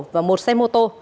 và một xe mô tô